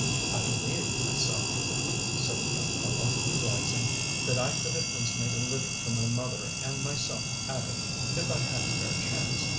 " I believe, myself," said the young fellow, rising, " that I could at least make a living for my mother and myself at it, if I had a fair chance.